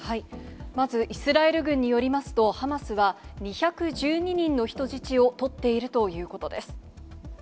まず、イスラエル軍によりますと、ハマスは２１２人の人質を取っているということです。